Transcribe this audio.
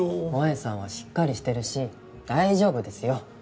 萌さんはしっかりしてるし大丈夫ですよ。